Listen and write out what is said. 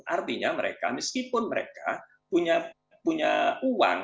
artinya mereka meskipun mereka punya uang tetapi mereka tidak punya modal